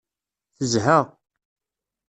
Tezha.